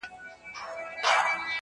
لار یې واخیسته د غره او د لاښونو!.